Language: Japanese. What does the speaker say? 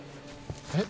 えっ？